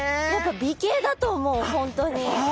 美形だと思う本当に。